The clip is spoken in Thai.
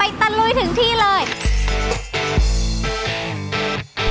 ที่พักหลักร้อยของอร่อยหลักสิบ